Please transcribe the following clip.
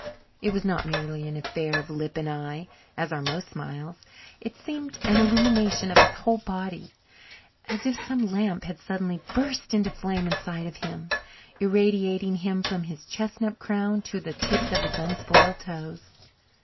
It was not merely an affair of lip and eye, as are most smiles; it seemed an illumination of his whole body, as if some lamp had suddenly burst into flame inside of him, irradiating him from his chestnut crown to the tips of his unspoiled toes.